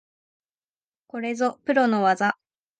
これぞプロの技